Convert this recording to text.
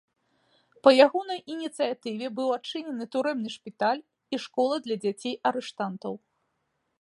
Па ягонай ініцыятыве быў адчынены турэмны шпіталь і школа для дзяцей арыштантаў.